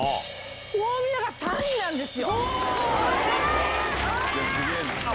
大宮が３位なんです！